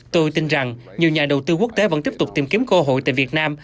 tôi tin rằng nhiều nhà đầu tư quốc tế vẫn tiếp tục tìm kiếm cơ hội tại việt nam